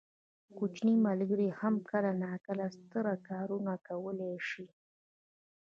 کوچني ملګري هم کله کله ستر کارونه کولی شي.